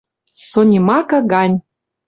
Сонимакы гань.